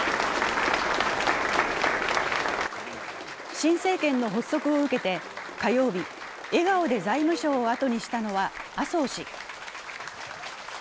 新政権の発足を受けて、火曜日、笑顔で財務省を後にしたのは麻生氏。